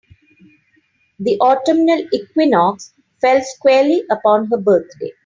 The autumnal equinox fell squarely upon her birthday.